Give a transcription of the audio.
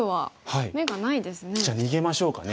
じゃあ逃げましょうかね。